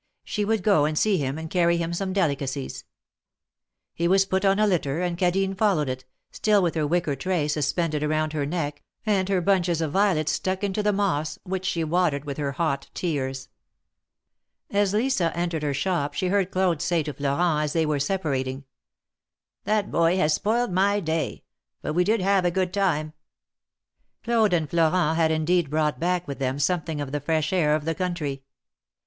She would go and see him, and carry him some delicacies. He was put on a litter, and Cadine followed it, still with her wicker tray suspended around her neck, and her bunches of violets stuck into the moss, which she watered with her hot tears. As Lisa entered her shop, she heard Claude say to Flo rent, as they were separating : ''That boy has spoiled my day; but we did have a good time !" Claude and Florent had indeed brought back with them something of the fresh air of the country.